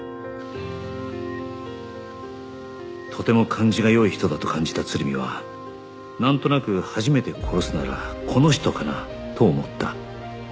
とても感じが良い人だと感じた鶴見は「なんとなく初めて殺すならこの人かな」と思った